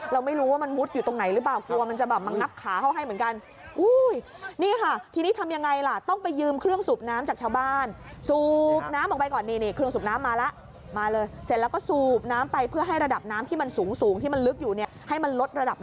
เราไม่รู้ว่ามันมุดอยู่ตรงไหนหรือเปล่า